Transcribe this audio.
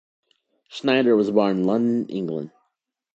Schneider was born in London, England.